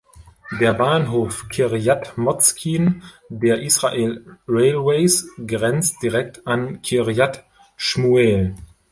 Der Bahnhof Kirjat Motzkin der Israel Railways grenzt direkt an Kirjat Schmuel.